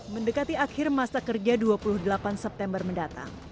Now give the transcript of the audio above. mendekati akhir masa kerja dua puluh delapan september mendatang